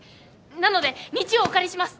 なので日曜お借りします！